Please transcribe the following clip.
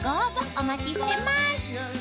お待ちしてます